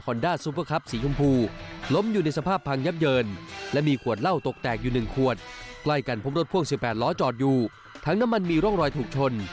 ฮอนดาซูเฟอร์คัปสีชมพู